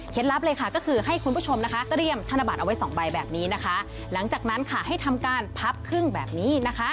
ลับเลยค่ะก็คือให้คุณผู้ชมนะคะเตรียมธนบัตรเอาไว้สองใบแบบนี้นะคะหลังจากนั้นค่ะให้ทำการพับครึ่งแบบนี้นะคะ